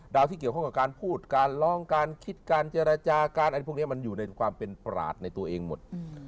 ที่เกี่ยวข้องกับการพูดการร้องการคิดการเจรจาการอะไรพวกนี้มันอยู่ในความเป็นปราศในตัวเองหมด